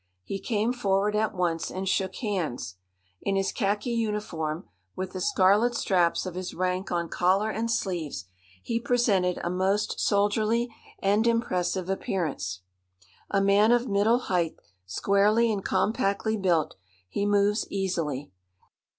He came forward at once and shook hands. In his khaki uniform, with the scarlet straps of his rank on collar and sleeves, he presented a most soldierly and impressive appearance. A man of middle height, squarely and compactly built, he moves easily.